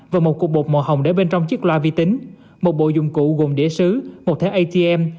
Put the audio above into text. và một cục bột màu hồng để bên trong chiếc loa vi tính một bộ dụng cụ gồm đĩa xứ một thẻ atm